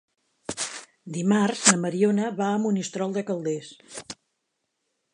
Dimarts na Mariona va a Monistrol de Calders.